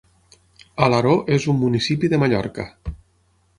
Alaró és un municipi de Mallorca.